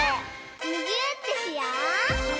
むぎゅーってしよう！